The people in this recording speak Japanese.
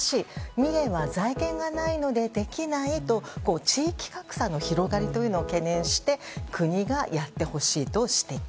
三重は財源がないのでできないと地域格差の広がりを懸念して国がやってほしいと指摘。